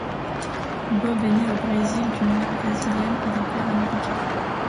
Bob est né au Brésil d'une mère brésilienne et d'un père américain.